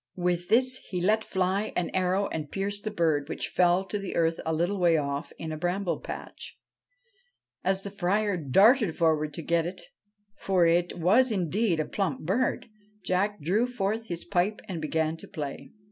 With this he let fly an arrow and pierced the bird, which fell to earth a little way off in a bramble patch. As the Friar darted forward to get it for it was indeed a plump bird Jack drew forth his pipe and began to play.